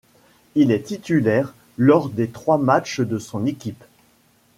Il est titulaire lors des trois matchs de son équipe.